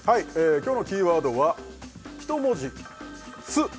今日のキーワードは１文字「ッ」